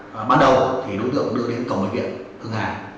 và ban đầu thì đối tượng đưa lên cổng bệnh viện hưng hà